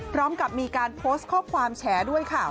พร้อมกับมีการโพสต์ข้อความแฉด้วยค่ะ